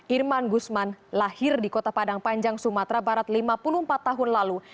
irman gusman lahir di kota padang panjang sumatera barat lima puluh empat tahun lalu